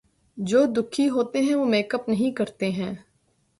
جو دکھی ھوتے ہیں وہ میک اپ نہیں کرتے ہیں